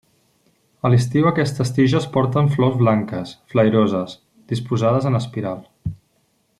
A l'estiu aquestes tiges porten flors blanques, flairoses, disposades en espiral.